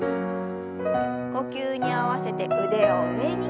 呼吸に合わせて腕を上に。